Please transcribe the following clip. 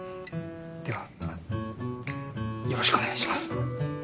ではよろしくお願いします。